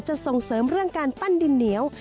ส่งเสริมเรื่องการปั้นดินเหนียว